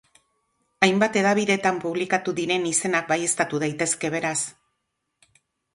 Hainbat hedabidetan publikatu diren izenak baieztatu daitezke, beraz.